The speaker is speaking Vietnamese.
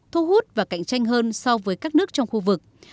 thu hút và cạnh tranh hơn so với các nước trong khu vực